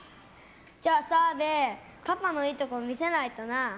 じゃあ澤部パパのいいところ見せないとな。